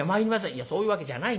「いやそういうわけじゃないんです。